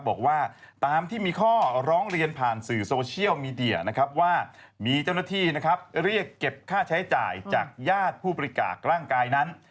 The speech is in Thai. บอกว่าตามที่มีข้อร้องเรียนผ่านสื่อโซเชียลมีเดียนะครับว่ามีเจ้าหน้าที่นะครับเรียกเก็บค่าใช้จ่ายจากญาติผู้บริจาคร่างกายนั้น